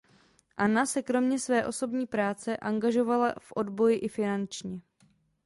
Anna se kromě své osobní práce angažovala v odboji i finančně.